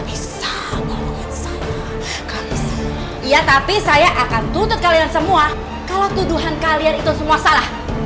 iya tapi saya akan tutup kalian semua kalau tuduhan kalian itu semua salah